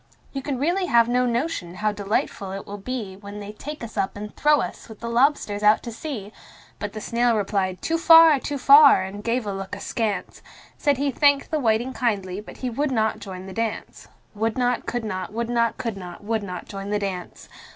"You can really have no notion how delightful it will be When they take us up and throw us, with the lobsters, out to sea!" But the snail replied "Too far, too far!" and gave a look askance Said he thanked the whiting kindly, but he would not join the dance. Would not, could not, would not, could not, would not join the dance.